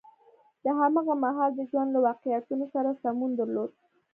د هماغه مهال د ژوند له واقعیتونو سره سمون درلود.